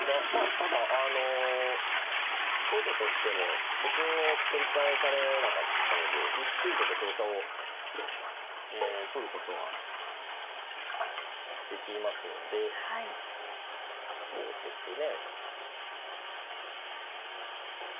ただあの後手としてもと金を取り返されなかったので１九とと香車を取ることができますのでそうですね。